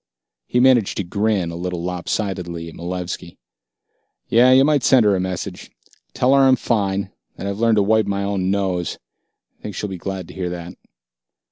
He managed to grin, a little lopsidedly, at Malevski. "Yeah. You might send her a message. Tell her I'm fine, and that I've learned to wipe my own nose. I think she'll be glad to hear that."